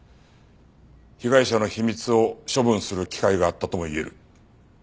被害者の秘密を処分する機会があったとも言える。